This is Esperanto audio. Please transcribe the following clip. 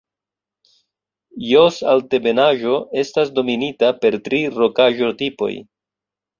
Jos-Altebenaĵo estas dominita per tri rokaĵo-tipoj.